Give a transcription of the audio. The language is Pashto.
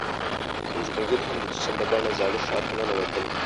زموږ ملګري هم د جشن په بڼه زاړه ښار ته ننوتل.